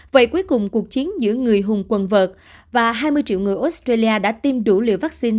vậy cuối cùng cuộc chiến giữa người hùng quần vợt và hai mươi triệu người australia đã tiêm đủ liều vaccine